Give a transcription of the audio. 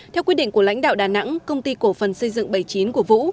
theo quyết định của lãnh đạo đà nẵng công ty cổ phần xây dựng bảy mươi chín của vũ